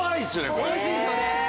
おいしいですよね。